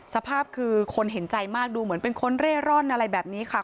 สภาพคือคนเห็นใจมากดูเหมือนเป็นคนเร่ร่อนอะไรแบบนี้ค่ะ